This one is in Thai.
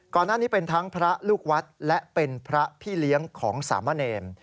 ก่อนหน้านี้เป็นทั้งพระลูกวัดและเป็นพระพี่เลี้ยงของสามะเนร